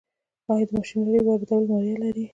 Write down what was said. آیا د ماشینرۍ واردول مالیه لري؟